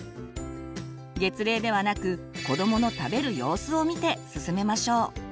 月齢ではなく子どもの食べる様子を見て進めましょう。